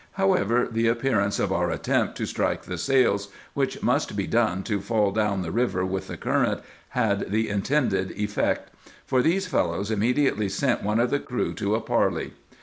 However, the appearance of our attempt to strike the sail, which must be done to fall down the river with the current, had the intended effect ; for these fellows immediately sent one of the crew to a parley.